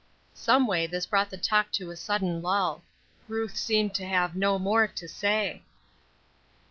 Someway this brought the talk to a sudden lull. Ruth seemed to have no more to say.